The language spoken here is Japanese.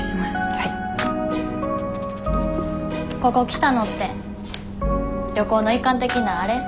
ここ来たのって旅行の一環的なあれ？